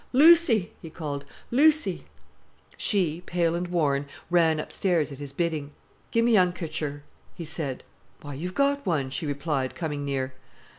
"Lucy," he called, "Lucy!" She, pale and worn, ran upstairs at his bidding. "Gi'e me a han'kercher," he said. "Why, you've got one," she replied, coming near.